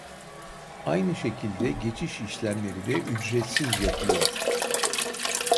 Aynı şekilde geçiş işlemleri de ücretsiz yapılıyor.